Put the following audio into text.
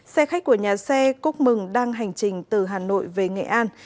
xe khách của nhà xe cúc mừng đang hành trình từ hà nội về nghệ an